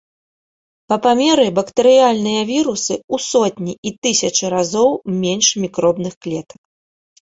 Па памеры бактэрыяльныя вірусы ў сотні і тысячы разоў менш мікробных клетак.